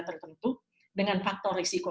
terkentu dengan faktor risiko